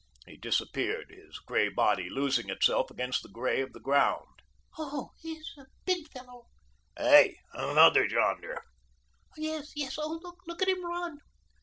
He disappeared, his grey body losing itself against the grey of the ground. "Oh, a big fellow." "Hi, yonder's another." "Yes, yes, oh, look at him run."